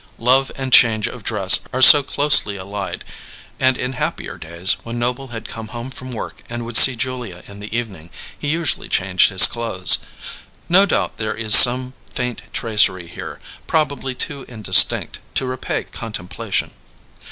Love and change of dress are so closely allied; and in happier days, when Noble had come home from work and would see Julia in the evening, he usually changed his clothes. No doubt there is some faint tracery here, probably too indistinct to repay contemplation.